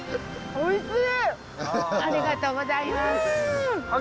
おいしい！